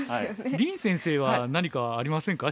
林先生は何かありませんか？